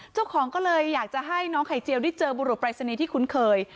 เจ้าของก็เลยอยากจะให้น้องไข่เจียวได้เจอบุรุษปรายศนีย์ที่คุ้นเคย